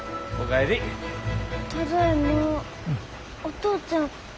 お父ちゃん